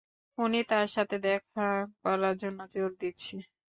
উনি তার সাথে দেখা করার জন্য জোর দিচ্ছে।